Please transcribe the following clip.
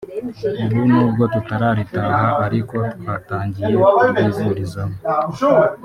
ubu nubwo tutararitaha ariko twatangiye kuryivurizamo